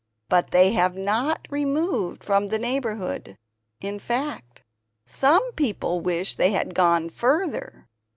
But they have not removed from the neighborhood. In fact some people wish they had gone further.